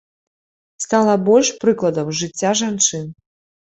Стала больш прыкладаў з жыцця жанчын.